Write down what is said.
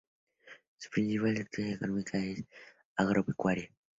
Su principal actividad económica es la agropecuaria.